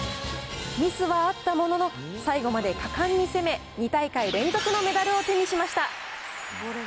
ミスはあったものの、最後まで果敢に攻め、２大会連続のメダルを手にしました。